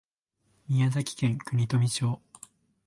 宮崎県国富町